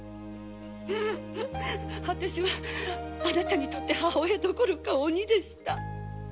私はあなたには母親どころか鬼でした。